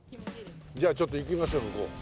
じゃあちょっと行きましょう向こう。